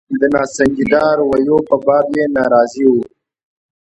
د ناسنجیده رویو په باب یې ناراضي وو.